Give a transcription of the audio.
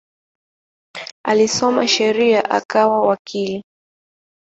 Alisoma sheria akawa wakili.